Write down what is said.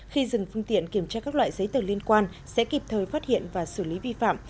khi dừng phương tiện kiểm tra các loại giấy tờ liên quan sẽ kịp thời phát hiện và xử lý vi phạm